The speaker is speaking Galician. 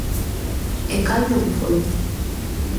E cal non o foi?